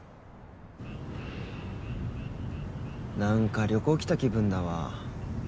なんか旅行来た気分だわ。